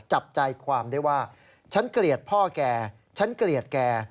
จับใจความได้ว่าฉันเกลียดพ่อแกฉันเกลียดแก